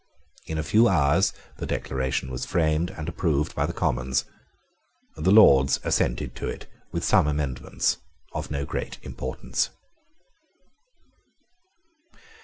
In a few hours the Declaration was framed and approved by the Commons. The Lords assented to it with some amendments of no great importance.